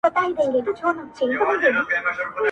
دا فاني دنیا تیریږي بیا به وکړی ارمانونه،